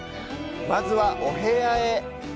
まずは、お部屋へ。